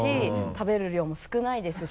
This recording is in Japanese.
食べる量も少ないですし。